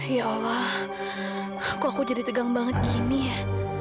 ya allah aku aku jadi tegang banget gini ya